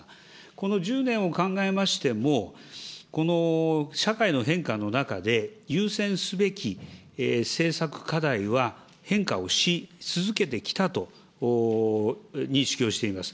この１０年を考えましても、この社会の変化の中で、優先すべき政策課題は、変化をし続けてきたと認識をしております。